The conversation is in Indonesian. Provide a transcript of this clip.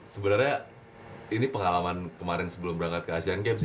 sebenarnya ini pengalaman kemarin sebelum berangkat ke asean games ya